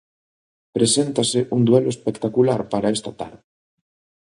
Preséntase un duelo espectacular para esta tarde.